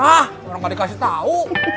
hah orang enggak dikasih tahu